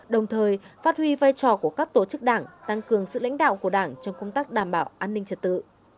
đồng thời phát huy vai trò của các tổ chức đảng tăng cường sự lãnh đạo của đảng trong công tác đảm bảo an ninh trật tự